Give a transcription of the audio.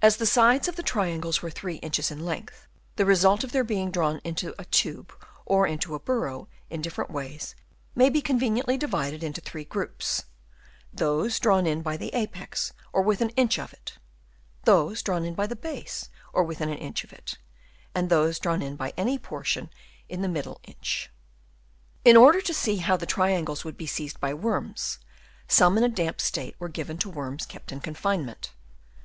As the sides of the triangles were three inches in length, the result of their being drawn into a tube or into a burrow in different ways, may be conveniently divided into three groups : those drawn in by the apex or within an inch of it ; those drawn in by the base or within an inch of it ; and those drawn in by any point in the middle inch. In order to see how the triangles would be seized by worms, some in a damp state were given to worms kept in confinement.